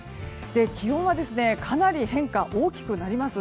気温はかなり変化が大きくなります。